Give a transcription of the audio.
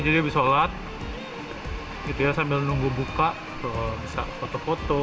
jadi habis sholat gitu ya sambil nunggu buka tuh bisa foto foto